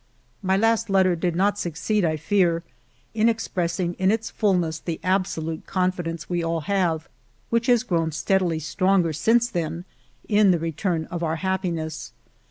My last letter did not succeed, I fear, in expressing in its fulness the absolute confidence we all have, which has grown steadily stronger since then, in the return of our happiness.